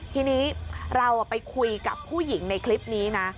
ทีนี้เราไปคุยกับผู้หญิงในคลิปนี้นะ